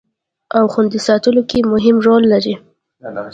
او خوندي ساتلو کې مهم رول لري